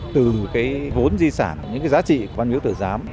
từ vốn di sản những giá trị của văn miếu tử giám